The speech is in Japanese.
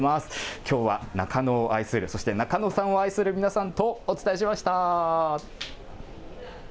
きょうは中野を愛する、そしてナカノさんを愛する皆さんとお伝えしました。